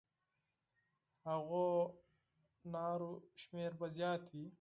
د هغو نارو شمېر به زیات وي.